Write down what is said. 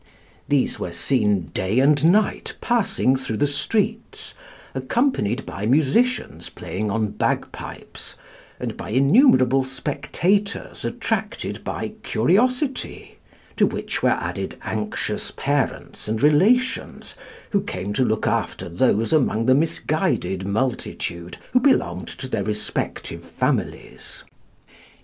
These were seen day and night passing through the streets, accompanied by musicians playing on bagpipes, and by innumerable spectators attracted by curiosity, to which were added anxious parents and relations, who came to look after those among the misguided multitude who belonged to their respective families.